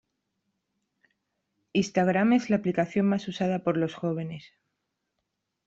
Instagram es la aplicación más usada por los jóvenes.